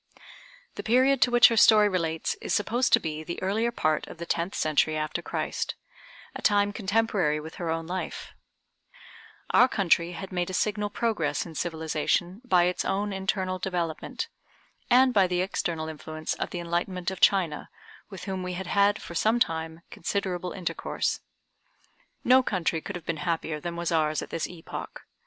The period to which her story relates is supposed to be the earlier part of the tenth century after Christ, a time contemporary with her own life. For some centuries before this period, our country had made a signal progress in civilization by its own internal development, and by the external influence of the enlightenment of China, with whom we had had for some time considerable intercourse. No country could have been happier than was ours at this epoch.